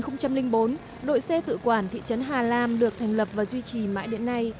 năm hai nghìn bốn đội xe tự quản thị trấn hà lam được thành lập và duy trì mãi điện này